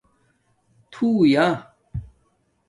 تُھݸیہ